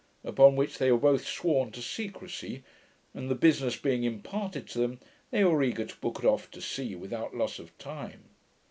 Upon which they were both sworn to secrecy; and the business being imparted to them, they were eager to put off to sea without loss of time.